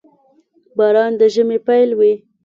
• باران د ژمي پيل وي.